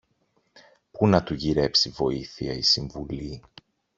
που να του γυρέψει βοήθεια ή συμβουλή.